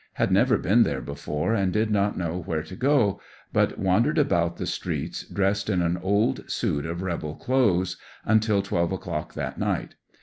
Had never been there before and did not know where to go, but wander ed about the streets, dressed in an old suit of rebel clothes, until 12 o'clock that night.